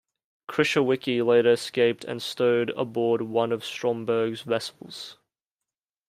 Krycsiwiki later escaped and stowed aboard one of Stromberg's vessels.